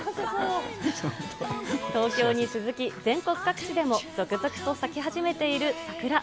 東京に続き、全国各地でも続々と咲き始めている桜。